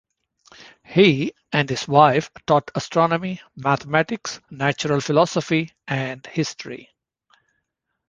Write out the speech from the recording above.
He and his wife taught astronomy, mathematics, natural philosophy, and history.